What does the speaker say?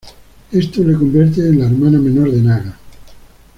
Esto la convierte en la hermana menor de Naga.